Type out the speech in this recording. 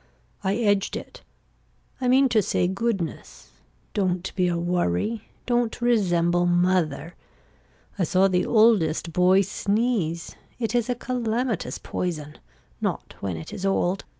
I edged it. I mean to say goodness. Don't be a worry. Don't resemble mother. I saw the oldest boy sneeze. It is a calamitous poison. Not when it is old.